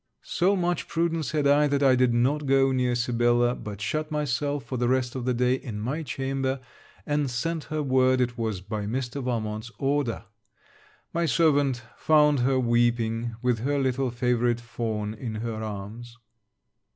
So much prudence had I, that I did not go near Sibella, but shut myself, for the rest of the day, in my chamber, and sent her word it was by Mr. Valmont's order. My servant found her weeping, with her little favourite Fawn in her arms.